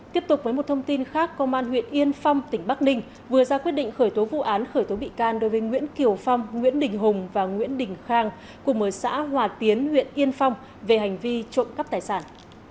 tiếp tục với một thông tin khác công an huyện yên phong tỉnh bắc ninh vừa ra quyết định khởi tố vụ án khởi tố bị can đối với nguyễn kiều phong nguyễn đình hùng và nguyễn đình khang cùng ở xã hòa tiến huyện yên phong về hành vi trộm cắp tài sản